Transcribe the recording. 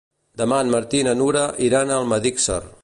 Demà en Martí i na Nura iran a Almedíxer.